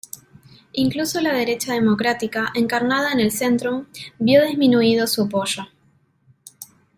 Incluso la derecha democrática, encarnada en el Zentrum, vio disminuido su apoyo.